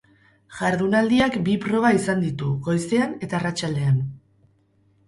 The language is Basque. Jardunaldiak bi proba izan ditu, goizean eta arratsaldean.